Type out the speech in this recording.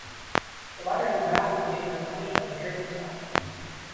The water in the bath was being replenished by the dripping tap.